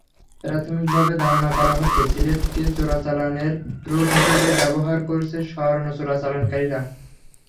প্রাথমিকভাবে ধারণা করা হচ্ছে, সিলেটকে চোরাচালানের রুট হিসেবে ব্যবহার করছে স্বর্ণ চোরাকারবারিরা।